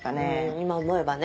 今思えばね。